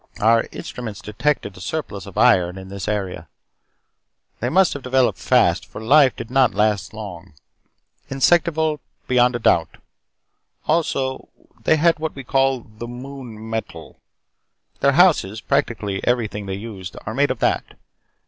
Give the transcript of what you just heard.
Our instruments detected a surplus of iron in this area. They must have developed fast for life did not last long. Insectival, beyond a doubt. Also, they had what we call The Moon Metal. Their houses, practically everything they used, are made of that.